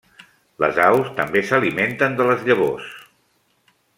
Les aus també s'alimenten de les llavors.